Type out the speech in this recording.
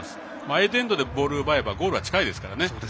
相手エンドでボールを奪えば近いですからね。